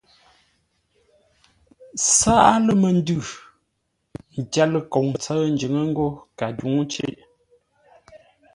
Sâa lə məndʉ tyár ləkoŋ ńtsə́ʉ njʉŋə́ ńgó kadǔŋcei.